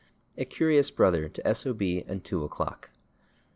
a curious brother to /S. O. B./ and /2 o'clock